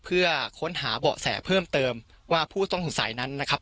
เพื่อค้นหาเบาะแสเพิ่มเติมว่าผู้ต้องสงสัยนั้นนะครับ